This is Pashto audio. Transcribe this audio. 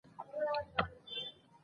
د نجونو تعلیم د درواغو ویلو مخه نیسي.